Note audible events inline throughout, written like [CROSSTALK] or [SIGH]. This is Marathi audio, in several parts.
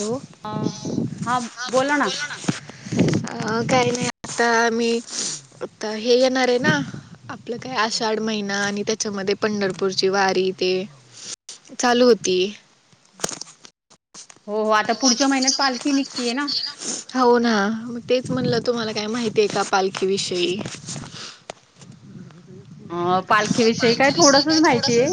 हॅलो अ हा हां बोला ना बोलां नां अं कांहीं नाहीं आंता मी हे येणारं आहे नां आपलं कायं आषांढ महिना आणि त्यांच्यामध्ये पंढरपूरची वारी ते चालूं होती हो हो आंता पुढच्यां महिन्यांत पालखी निघतीय आहे नां हो नां तेचं म्हणलं तुम्हांला कायं माहिती आहे कां पालखी विषयी अं पालखीविषयी कायं थोडंसचं माहितीय आहे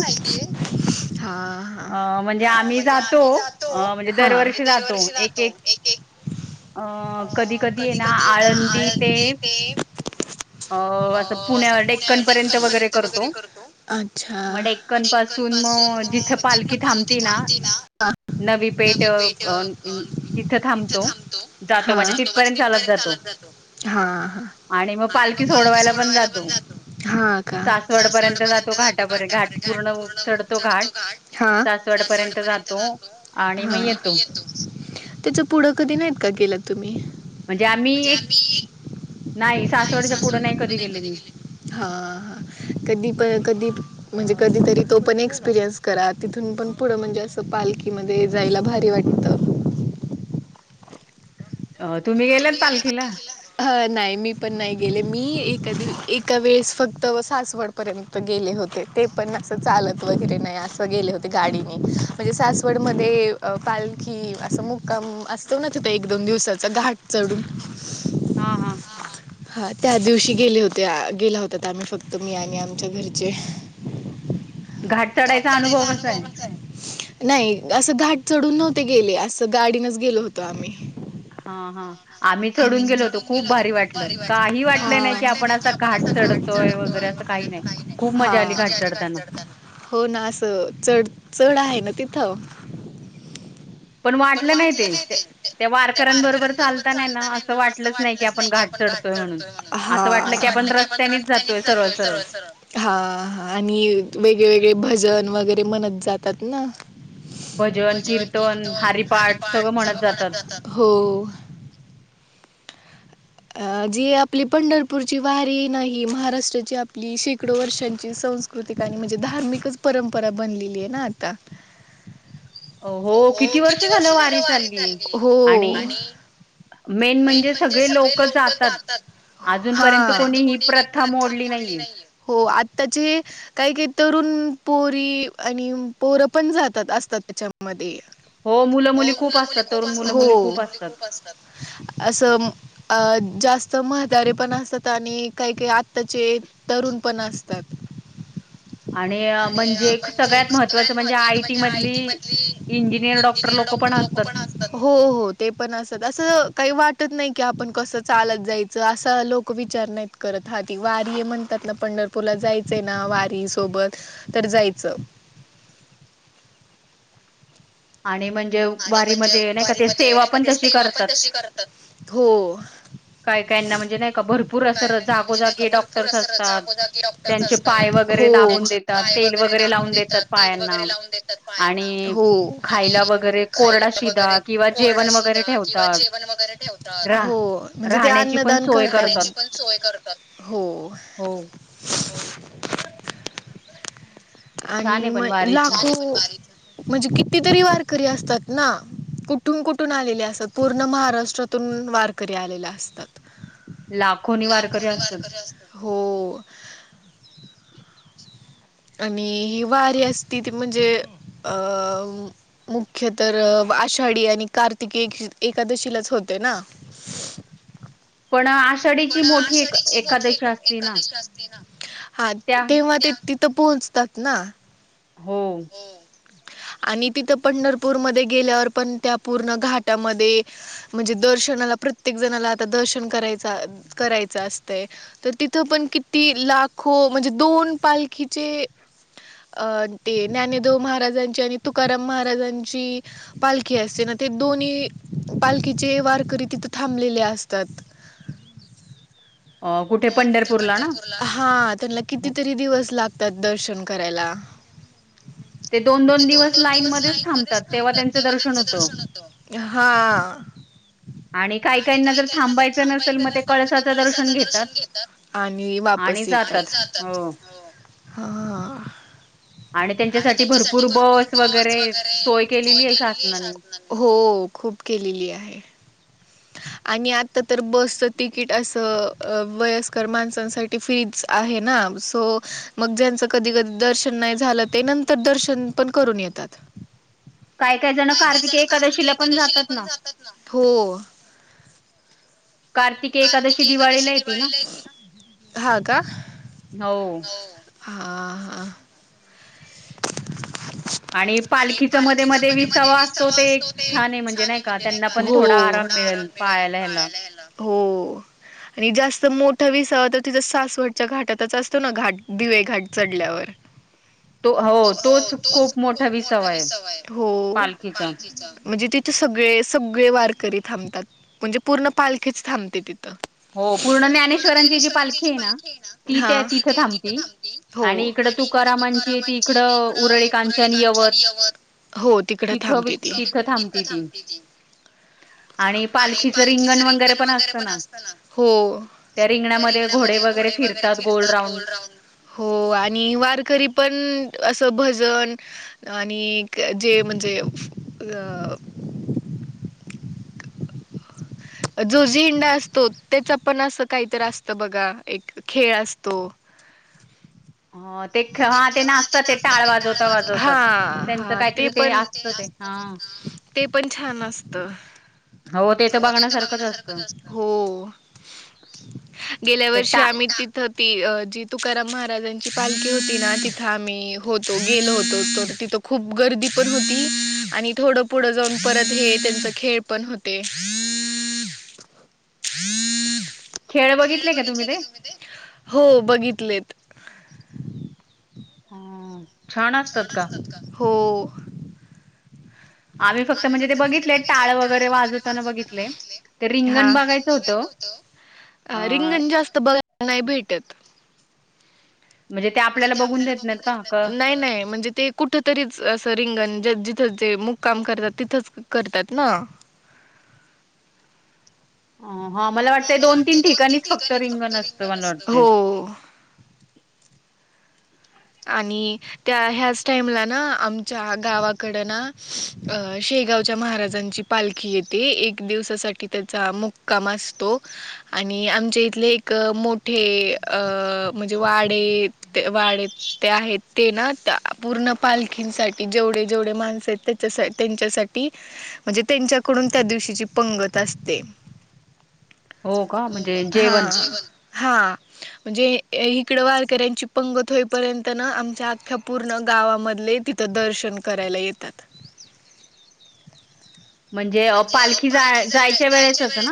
हां हां अं म्हणजे अ, आम्हीं जातो अं म्हणजे हां दरवर्षी जातो एक एक अं कधीं कधीं ते नां आळंदी ते अं असं पुण्यां डेक्कनपर्यंत डेक्कन पर्यंत वगैरें करतो अच्छां आणि डेक्कन पासूंन मंग जिथं पालखी थांबती नां नवी पेठ इथं थांबतो जातो हां चालतो म्हणजे तिथपर्यंत तिथं चालत पर्यंत चालतं जातो हां आणि मंग पालखी सोडवांयला पणं जातो सांसवडं पर्यंत जातो घाटांपर्यंत घांट पूर्ण चढतो घांट हां सांसवडं पर्यंत जातो तो आणि मंग येतो त्यांचं पुढं कधीं नाहींत कां गेलां तुम्हीं म्हणजे आम्हीं नाहीं सांसवडंच्या पुढं नाहीं कधीं गेली मी हां हां कधीं पं कधीं म्हणजे कधींतरी तो पणं एक्सपिरियन्स करां तिथूंन पणं पुढं म्हणजे असं पालखीमध्यें जायलां भारी वाटतं अं तुम्हीं गेलांत पालखीलां हं नाहीं मी पणं नाहीं गेले मी एकां मी एकां वेळेस फक्तं सांसवडं पर्यंत गेले होते ते पणं असं चालतं वगैरें नाहीं असं गेले होते गाडीने म्हणजे सांसवडं मध्यें पालखी असां मुक्कांम असतो नां ते तरं एक दोन दिवसांच घांट चढूंन हां हां हां त्यां दिवशी गेले होते गेलां होतां तरं आम्हीं फक्तं मी आणि आमच्यां घरंचे घाट घांट चढायचा अनुभव चढांयचा कसा आहे अनुभवचं आहे नाहीं असं घांट चढूंन नव्हते गेले असं गाडीनचं गेलो होतो आम्हीं हां हां आम्हीं चढूंन गेलो होतो खूंप भारी वाटलं कांहीं वाटलं हा. नाहीं की आपणं असं घांट चढतोय वगैरें असं कांहीं नाहीं खूंप हा मजां आली घांट चढतांना हो नां असं चडं चडं आहे नां तिथं पणं वाटलं नाहीं ते त्यां वारकऱ्यांबरोबर चालतं चालतांना आहे नां असं वाटलंच नाहीं की आपणं घांट चढतोय म्हणूंन हां असं वाटलं की आपणं रस्तां ते नीस्ताने जातोय सरळं सरळं हां हं आणि वेगळेवेेगळे भंजन वगैरें म्हणतं जातांत नां भंजन कीर्तन हरिपाठ सगळं म्हणतं जातांत हो अं जी आपली पंढरपूरची वारी नाहीं महाराष्ट्रांची आपली शेकडो वर्षांची संस्कृती प्रकृतिकांनी म्हणजे धार्मिकचं परंपरा बनलेली आहे नां आंता हो किती वर्ष झालं वारी चालली हो आणि मेन म्हणजे सगळे लोक जातात, हा परंतु कोणी ही प्रथा मोडली नाहीयेय. हो आत्ताची काही काही तरुण पोरी आणि पोरं पण जातात असतात त्याच्यामध्ये हो मूल- मुली खूप असतात, मुलं- मुली असतात अस अ जास्त म्हतारे पण असतात आणि काही, काही आत्ताचे तरुण पण असतात. आणि म्हणजे सगळ्यात महत्त्वाच म्हणजे आयटी मधली इंजिनियर डॉक्टर लोकं पण असत तत हो हो ते पण असत असं काही वाटत नाही की आपण कसं चालत जायचं, असा लोक विचार नाहीत करत हाती वारीय म्हण त्यातलं पंढरपूरला जायचंय ना वारी सोबत, तर जायचं. आणि म्हणजे आणि म्हणजे वारीमध्ये नाही का वारी ते मध्ये सेवा नाही का पण ते तशी सेवा पण करतात. तशी करतात. हो काय काहीना म्हणजे नाही का भर भरपूर अस जागो-जागी डॉक्टर्स असतात त्यांचे पाय वगैरे हो. दाबून देत तेल वगैरे लावून देतात पायांना आणि हो. खायला वगैरे कोरडा शिधा किंवा जेवण वगैरे ठेवतात. रा हो म्हणजे ते राहण्याची पण अन्नदान सोय करतात राहण्याची पण सोय करतात. हो हो छान आणि आहे पण म वारीच लाखू म्हणजे कितीतरी वारकरी असतात ना. कुठून, कुठून आलेले असतात पूर्ण महाराष्ट्रातून वारकरी आलेल्या असतात. लाखोनी वारकरी असतात. हो आणि ही वारी असती ती म्हणजे अं मुख्य तर आषाढी आणि कार्तिक एकादशीलाच होते ना पण आ पण आषाढीची मोठी ना एकादशी असते ना, हा त्या तेव्हा ते पोचतात ना. हो आणि तिथं पंढरपूरमध्ये गेल्यावर पण त्या पूर्ण घाटामध्ये म्हणजे दर्शनाला प्रत्येक जणाला आता दर्शन करायच, करायच असतंय तर तिथं पण किती लाखो, म्हणजे दोन पालखीचे अं ते ज्ञानेदेव महाराजांची आणि तुकाराम महाराजांची पालखी असते ना, ते दोन्ही पालखीचे वारकरी तिथं थांबलेले असतात. अ कुठे पंढरपूरला ना? हा त्यांना कितीतरी दिवस लागतात दर्शन करायला. ते दोन, दोन दिवस लाईन मध्येच थांबतात तेव्हा त्यांचं दर्शन होत. हा आणि काही-काहीना जर थांबायचं नसल मग ते कळसाचं दर्शन दर्शन घेतात, आणि वापस येतात, आणि जातात. खातात हो हो. आणि त्यांच्यासाठी भरपूर बस वगैरे सोय केलेलीय शासनाने हो खूप केलेली आहे. आणि आता तर बसच तिकीट असं वयस्कर माणसांसाठी फी आहे ना, सो मग ज्यांच कधी -कधी दर्शन नाही झालं ते नंत तर दर्शन पण करून येतात काय, काय जण कार्तिक एकादशीला पण जातात ना. हो कार्तिके-ऐकादशी एकादशी दिवाळीला हे कि. हा का? हो होव. हा, हां. आणि पालखीचा मध्ये-मध्ये विसावा असतो, ते छान हे म्हणजे नाय का त्यांना पण थोडा आराम मिळेल. पायाला हेला. हो. आणि जास्त मोठं विसावा तर तिथं सासवटच्या घाटातच असतो ना, घाट दिवे घाट चढल्यावर तो, हो तोच खूप मोठा विसावा आहे हो. पालखीचा. म्हणजे ती तिथे सगळे-सगळे वारकरी थांबतात, म्हणजे पूर्ण पालखीच थांबते तिथं. हो, पूर्ण ज्ञानेश्वरांची जी पालखी हे ना ती त्या हां तिथं थांबते. हो आणि इकडं तुकारामांची येती. कडं उरळी कांचणी येवत, हो तिकडं तिथं वि थांबते ती थांबती ती आणि पालखीच रिंगण वगैरे पण असतं ना. हो. त्या रिंगणामध्ये घोडे वगैरे फिरतात गोल राऊंड हो आणि वारकरी पण असं भजन आणि जे म्हणजे अं जो झेंडा असतो, त्याचं पण असं काहीतरी असतं बघा, एक खेळ असतो. [UNINTELLIGIBLE] ते हा ते नाचतात ते टाळा वाजवता, वाजवतात. हां त्यांचं हां काहीतरी ते पण असतं ते हा. ते पण छान असतं. आवों ते तर बघण्यासारखंचं असतं. हो. गेल्या ते वर्षी टा आम्ही तिथं ती, अं जी तुकाराम महाराजांची पालखी होती ना, तिथं आम्ही होतो गेलो होतो, तर तिथं खूप गर्दी पण होती आणि थोडं पुढं जाऊन परत हे त्यांचं खेळ पण होते. [INAUDIBLE] खेळ बघितले का तुम्ही ते? हो बघितलेत. हं. छान असतात का? हो. आम्ही फक्त म्हणजे ते बघितले टाळ वगैरे वाजवतांना बघितले. ते रिंगण बघायचं होतं. अ, आं रिंगण जास्त बघा नाय भेटत. म्हणजे ते आपल्याला बघून देत नहीत का? क नाही-नाही म्हणजे ते कुठ तरीचं असं रिंगण जिथं जे मुक्काम करतात, तिथंच करतात ना? हा मला वाटतय दोन-तीन ठिकाणीच फक्त रिंगण असतं, मला वाटतं. हो आणि त्या ह्याच टाईमला ना आमच्या गावाकडं ना, अं शेगावच्या महाराजांची पालखी येते. एक दिवसासाठी त्याचा मुक्काम असतो. आणि आमच्या इथंले एक मोठे अं म्हणजे वाडे ते वाडे ते आहेत ते ना त्या पूर्ण पालखींसाठी जेवढे- जेवढे माणसं ते जसं त्यांच्यासाठी म्हणजे त्यांच्याकडून त्या दिवशीची पंगत असते. हो का? म्हणजे हा जेवण हा म्हणजे इकड वारकऱ्यांची पंगत होई पर्यंतन आमच्या अख्ख्या पूर्ण गावामधले तिथं दर्शन करायला येतात म्हणजे अ पालखी जाय जायच्या वेळेतच ना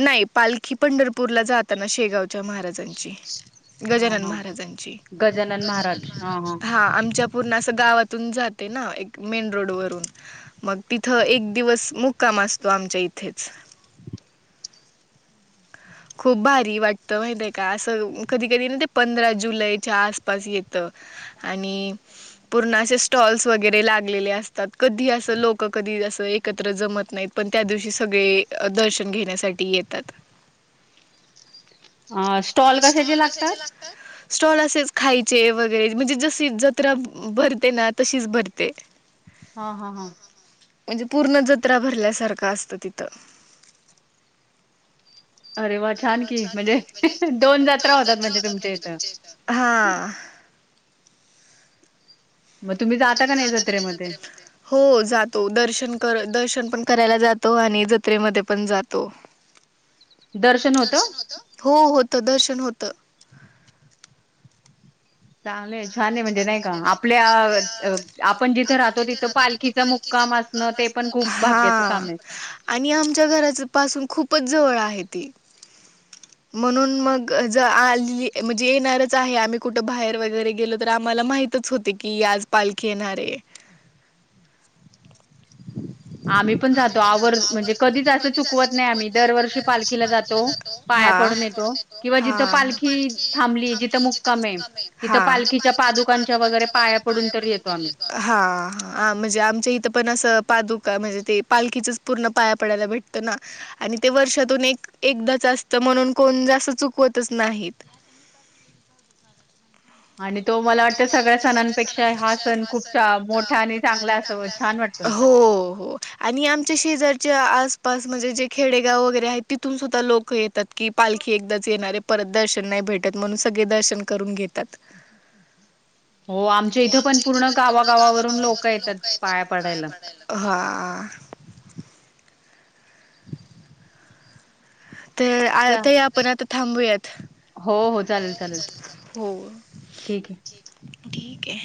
नाही पालखी पंढरपूरला जाताना शेगावच्या महाराज ज्यांची हां, गजानन हां. महाराजांची गजानन महाराज हा आमच्या पूर्ण अस गावातून जाते ना एक मेन रोड वरून मग तिथं एक दिवस मुक्काम असतो आमच्या इथेच [INAUDIBLE] [INAUDIBLE] खूप भारी वाटतं माहीत हाय का असं कधी कधी ना ते पंधरा जुलैच्या आसपास येतं आणि पूर्ण असे स्टॉल्स वगैरे लागलेले असतात कधी असं लोक कधी असं एक त्र जमत नाहीत पण त्या दिवशी सगळे दर्शन घेण्यासाठी येतात अ स्टॉल कशाचे लागतात स्टॉल असेच खायचे वगैरे म्हणजे जशी जत्रा भरते ना तशीच भरते हा हा हा म्हणजे पूर्ण जत्रा भरल्यासारखं असतं तिथं अरे वा छान की म्हणजे दोन जात्रा होतात म्हणजे तुमच्या इथं हा म तुम्ही जाता का नाही जत्रेमध्ये हो जातो दर्शन कर दर्शन पण करायला जातो आणि जत्रेमध्ये पण जातो दर्शन होतं? दशन होत हो होत दर्शन होत चांगलंय छान आहे म्हणजे नाही का आपल्या आपण जिथं राहतो तिथं पालखीचा मु क्काम असणं ते पण खूप हा भाग्याचं काम हाय आणि आमच्या घराच पासून खूपच जवळ आहे ते म्हणून मग ज आ म्हणजे येणारच आहे आम्ही कुठ बाहेर वगैरे गेलो तर आम्हाला माहि तच होते की आज पालखी येणारे आम्ही पण जातो आवर् म्हणजे कधीच असं चुकवत नाही आम्ही दरवर्षी पालखीला जातो पाया हा पडून येतो किंवा जिथं हा पालखी थांबली जिथं मुक्कामये तिथं हा पालखीच्या पादुकांच्या वगैरे पाया पडून तर येतो आम्ही हा म्हणजे आमच्या इथं पण असं पादुका म्हणजे ते पालखीचच पूर्ण पाया पडायला भेटतं ना आणि ते वर्षातून एक एकदाच असतं म्हणून कोण जास्त चुकवतच नाहीत [INAUDIBLE] आणि तो मला वाटत सगळ्या सणांपेक्षा हा सण खूप मोठा आणि चांगला असा छान वाटत हो हो आणि आमच्या शेजारच्या आसपास म्हणजे जे खेडेगाव वगैरे आहेत तिथून सुद्धा लोक येतात की पालखी एकदाच येणारे परत दर्शन नाही भेटत म्हणून सगळे दर्शन करून घेतात हो आमच्या इथं पण पूर्ण गावागावावरून लोक येतात पाया पडायला हा ते आ चा- ताई आपण आता थांबूयात हो हो चालेल चालेल ठीकये ठीकये